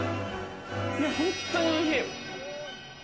本当においしい。